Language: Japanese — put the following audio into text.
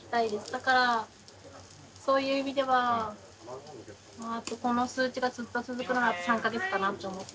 だからそういう意味ではこの数値がずっと続くならあと３か月かなって思って。